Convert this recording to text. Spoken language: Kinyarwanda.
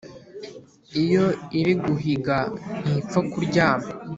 iyo iri guhiga ntipfa kuryama